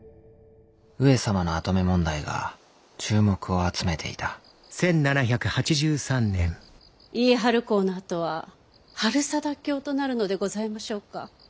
上様の跡目問題が注目を集めていた家治公の跡は治済卿となるのでございましょうか？